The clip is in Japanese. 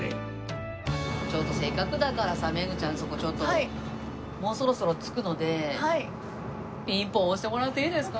ちょっとせっかくだからさメグちゃんそこちょっともうそろそろ着くのでピンポン押してもらっていいですか？